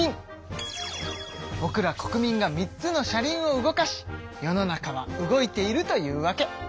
ぼくら国民が３つの車輪を動かし世の中は動いているというわけ。